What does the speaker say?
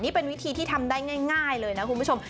นี่เป็นวิธีที่ทำได้ง่ายเลยนะคุณผู้ชม